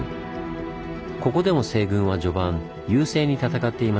ここでも西軍は序盤優勢に戦っていました。